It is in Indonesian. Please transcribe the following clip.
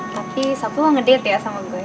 nanti sapu mau ngedate ya sama gue